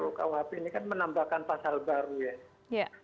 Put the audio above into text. untuk kuhp ini kan menambahkan pasal baru ya